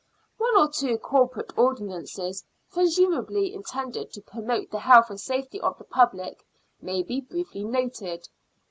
One or two corporate ordinances presumably intended to promote the health and safety of the public may be briefly noted.